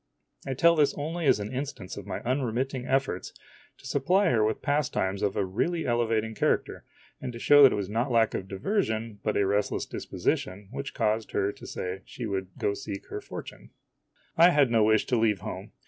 I tell this only as an instance of my unremitting efforts to supply her with pastimes of a really elevating character, and to show that it was not lack of diversion, but a restless disposition, which caused her to say she would go to seek her fortune. I had no wish to leave home.